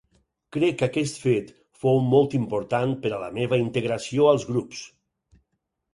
Crec que aquest fet fou molt important per a la meva integració als grups.